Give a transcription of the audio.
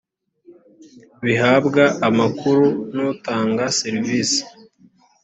bihabwa amakuru n utanga serivisi